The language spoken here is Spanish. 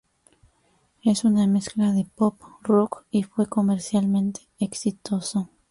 Es una mezcla de pop rock, y fue comercialmente exitoso.